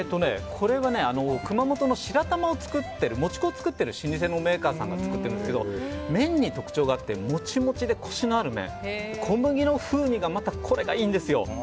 これは熊本の白玉を作っているもち粉を作ってる老舗のメーカーさんが作ってるんですけど麺に特徴があってモチモチでコシのある小麦の風味がいいんですよ。